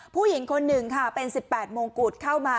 ผู้หญิงคนหนึ่งค่ะเป็นสิบแปดโมงกุดเข้ามา